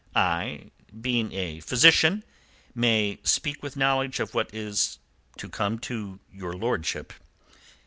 I, being a physician, may speak with knowledge of what is to come to your lordship.